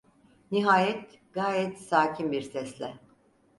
Nihayet gayet sakin bir sesle.